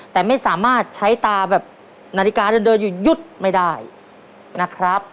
แต่ไม่สามารถใช้ตาแบบนาฬิกาเดินอยู่หยุดไม่ได้นะครับ